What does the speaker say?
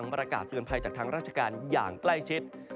ประกาศเตือนภัยจากทางราชการอย่างใกล้ชิด